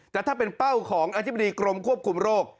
แต่ถ้าเป็นเป้าของอธิบดีกรมควบคุมโรค